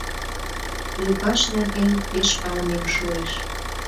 — Лукаш нерген пеш палымем шуэш.